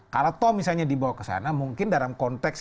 kalau misalnya dibawa ke sana mungkin dalam konteks